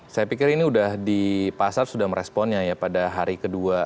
saya pikir ini sudah di pasar sudah meresponnya ya pada hari kedua